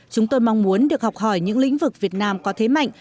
chúng tôi mong muốn được học hỏi những lĩnh vực việt nam có thế mạnh